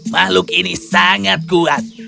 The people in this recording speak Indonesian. makhluk ini sangat kuat